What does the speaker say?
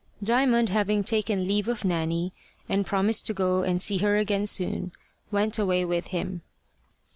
Diamond having taken leave of Nanny, and promised to go and see her again soon, went away with him.